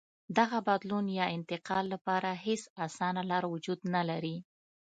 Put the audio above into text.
دغه بدلون یا انتقال لپاره هېڅ اسانه لار وجود نه لري.